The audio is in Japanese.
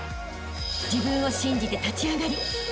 ［自分を信じて立ち上がりあしたへ